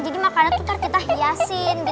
jadi makanan itu kita hiasin